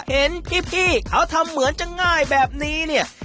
เห็นพี่เขาทำเหมือนจะง่ายแบบนี้เนี่ย